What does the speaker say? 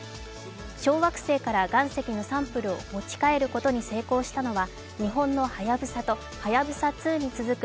小惑星から岩石のサンプルを持ち帰ることに成功したのは日本の「はやぶさ」と「はやぶさ２」に続く